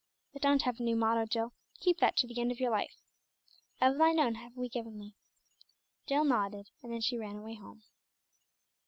"But don't have a new motto, Jill. Keep that to the end of your life 'Of Thine own have we given Thee.'" Jill nodded, and then she ran away home.